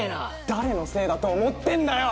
誰のせいだと思ってんだよ！